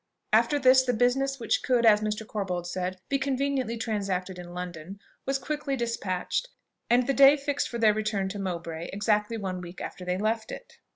After this, the business which could, as Mr. Corbold said, be conveniently transacted in London, was quickly despatched, and the day fixed for their return to Mowbray, exactly one week after they left it.